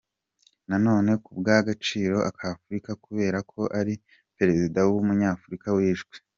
Nanone ku bw’agaciro ka Afurika, kubera ko ari perezida w’Umunyafurika wishwe.”